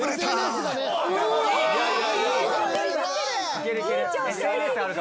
いける、いける。